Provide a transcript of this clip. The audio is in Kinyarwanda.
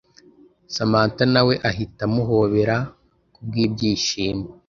samantha nawe ahita amuhobera kubw’ibyishimo